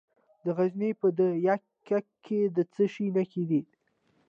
د غزني په ده یک کې د څه شي نښې دي؟